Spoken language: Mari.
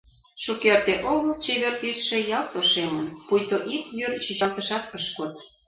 Шукерте огыл чевер тӱсшӧ ялт ошемын, пуйто ик вӱр чӱчалтышат ыш код.